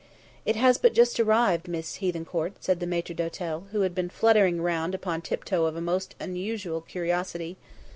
"It has but just arrived, Miss Hethencourt," said the maître d'hôtel, who had been fluttering around upon the tiptoe of a most unusual curiosity.